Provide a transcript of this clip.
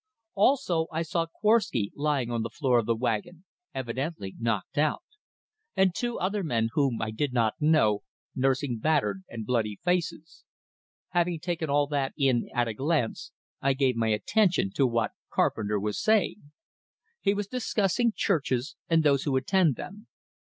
Also I saw Korwsky, lying on the floor of the wagon, evidently knocked out; and two other men whom I did not know, nursing battered and bloody faces. Having taken all that in at a glance, I gave my attention to what Carpenter was saying. He was discussing churches and those who attend them.